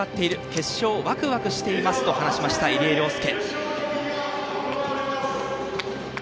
決勝、ワクワクしていますと話しました、入江陵介。